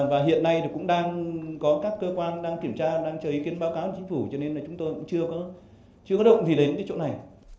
và hiện nay cũng đang có các cơ quan đang kiểm tra đang chờ ý kiến báo cáo của chính phủ cho nên là chúng tôi cũng chưa có động gì đến cái chỗ này